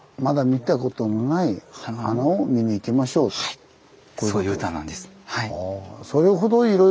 はいそういう歌なんです。